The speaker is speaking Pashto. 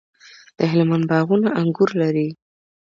د هلمند باغونه انګور لري.